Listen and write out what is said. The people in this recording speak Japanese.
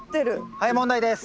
はい問題です。